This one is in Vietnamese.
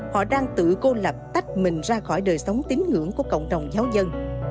họ đang tự cô lập tách mình ra khỏi đời sống tín ngưỡng của cộng đồng giáo dân